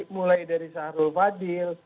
mulai dari sahrul fadil